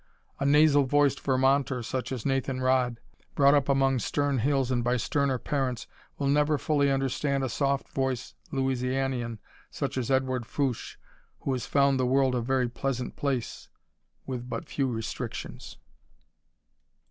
A nasal voiced Vermonter, such as Nathan Rodd, brought up among stern hills and by sterner parents, will never fully understand a soft voiced Louisianian, such as Edouard Fouche, who has found the world a very pleasant place with but few restrictions.